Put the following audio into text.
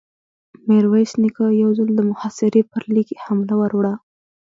ميرويس نيکه يو ځل د محاصرې پر ليکې حمله ور وړه.